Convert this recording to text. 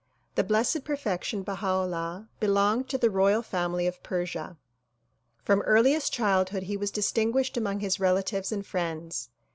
The Blessed Perfection Baha 'Ullah belonged to the royal family of Persia. From earliest childhood he was distinguished among his relatives and friends.